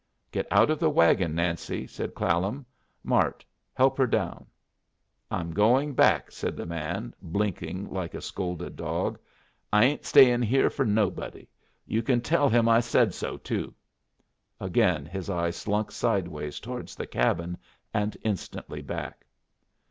"Get out of the wagon, Nancy," said Clallam. "Mart, help her down." "I'm going back," said the man, blinking like a scolded dog. "I ain't stayin' here for nobody. You can tell him I said so, too." Again his eye slunk sidewise towards the cabin, and instantly back.